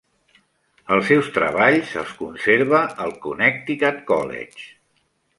Els seus treballs els conserva el Connecticut College.